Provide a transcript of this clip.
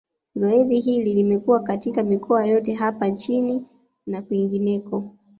Zoezi hili limekuwa katika mikoa yote hapa nchini na kwingineko